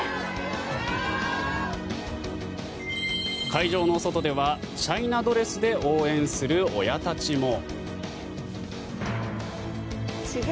会場の外ではチャイナドレスで応援する親たちも。